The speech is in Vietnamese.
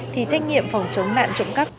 thì trách nhiệm phòng chống nạn trộm cấp